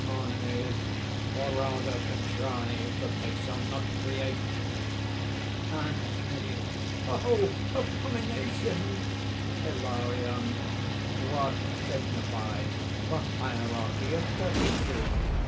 MANES. "Or rather contrive that they shall not create.............. ANTHONY. "Oh abomination!" HILARION. "What signifies the hierarchy of turpitudes?